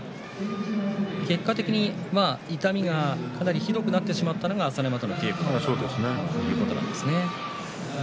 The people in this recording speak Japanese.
結果的に痛みがかなりひどくなってしまったのが朝乃山との稽古ということなんですね。